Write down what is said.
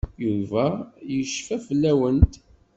Yuba yecfa fell-awent.